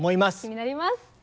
気になります！